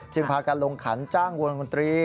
จึงพากันลงขันจ้างวงกลุ่นตรี